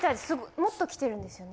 もっと来てるんですよね？